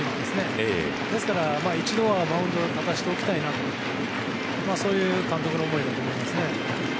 ですから一度はマウンドに立たせておきたいなとそういう監督の思いだと思います。